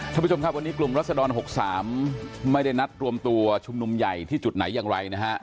ท่านผู้ชมครับวันนี้กลุ่มรัศดร๖๓ไม่ได้นัดรวมตัวชุมนุมใหญ่ที่จุดไหนอย่างไรนะฮะ